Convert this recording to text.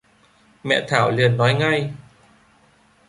Mẹ Thảo liền Nói ngay